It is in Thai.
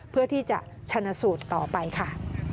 เพื่อที่จะชนะสูตรต่อไปค่ะ